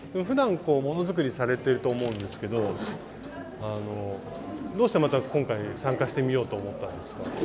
ふだんものづくりされてると思うんですけどどうしてまた今回参加してみようと思ったんですか？